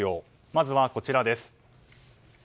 まずは、こちらです。